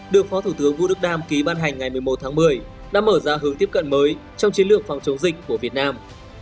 được phó thủ tướng vũ đức đam ký ban hành ngày một mươi một tháng một mươi đã mở ra hướng tiếp cận mới trong chiến lược phòng chống dịch của việt nam